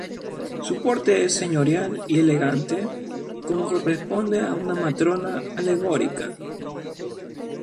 Su porte es señorial y elegante, como corresponde a una matrona alegórica.